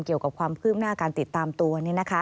เกี่ยวกับความพึ่มหน้าการติดตามตัวนี้นะคะ